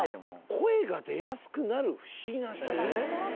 「声がでやすくなる不思議な下着」？